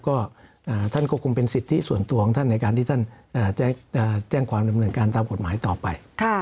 ก็ท่านก็คงเป็นสิทธิส่วนตัวของท่านในการที่ท่านแจ้งความดำเนินการตามกฎหมายต่อไป